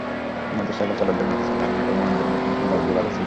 মোটরসাইকেলচালকদের মাথায় ছিল হেলমেট এবং অন্যদের মুখ রুমাল দিয়ে বাঁধা ছিল।